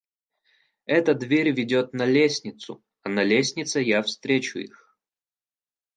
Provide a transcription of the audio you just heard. Эта дверь ведет на лестницу, а на лестнице я встречу их.